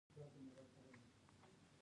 اشتراکي ټولنې د له منځه تلو په لور روانې شوې.